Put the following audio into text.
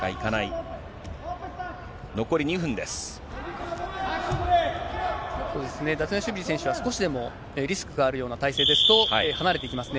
そうですね、ダトゥナシュビリ選手は少しでもリスクがあるような体勢ですと、離れていきますね。